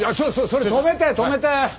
それ止めて止めて！